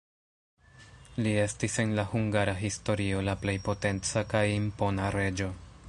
Li estis en la hungara historio la plej potenca kaj impona reĝo.